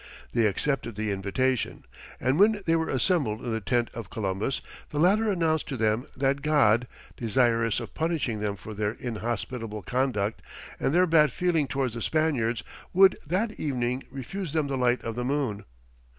They accepted the invitation, and when they were assembled in the tent of Columbus, the latter announced to them that God, desirous of punishing them for their inhospitable conduct, and their bad feeling towards the Spaniards, would that evening refuse them the light of the moon.